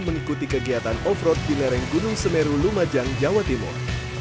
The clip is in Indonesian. mengikuti kegiatan off road di lereng gunung semeru lumajang jawa timur